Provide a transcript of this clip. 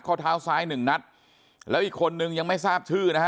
ข้อเท้าซ้ายหนึ่งนัดแล้วอีกคนนึงยังไม่ทราบชื่อนะฮะ